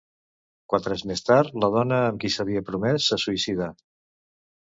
Quatre anys més tard, la dona amb qui s'havia promès se suïcidà.